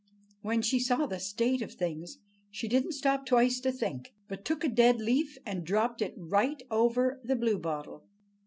When she saw the state of things, she didn't stop twice to think, but took a dead leaf and dropped it right over the Bluebottle.